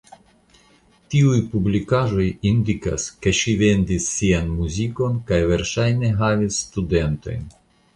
Tiuj publikaĵoj indikas ke ŝi vendis sian muzikon kaj verŝajne havis studentojn.